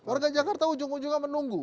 warga jakarta ujung ujungnya menunggu